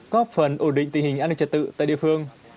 góp phần ổn định tình hình an ninh trật tự tại địa phương